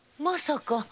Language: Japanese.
まさか。